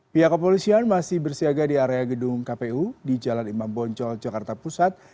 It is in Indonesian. pihak kepolisian masih bersiaga di area gedung kpu di jalan imam boncol jakarta pusat